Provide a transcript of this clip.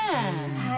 はい。